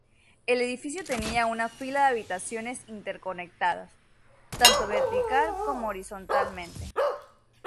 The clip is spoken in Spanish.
El edificio tenía una fila de habitaciones interconectadas, tanto vertical como horizontalmente.